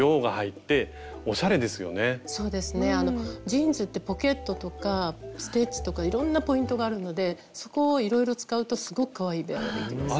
ジーンズってポケットとかステッチとかいろんなポイントがあるのでそこをいろいろ使うとすごくかわいいベアができます。